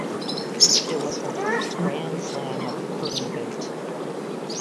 It was her first Grand Slam of Curling event.